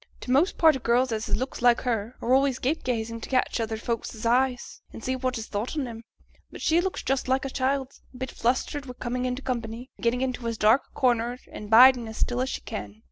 T' most part o' girls as has looks like hers are always gape gazing to catch other folks's eyes, and see what is thought on 'em; but she looks just like a child, a bit flustered wi' coming into company, and gettin' into as dark a corner and bidin' as still as she can.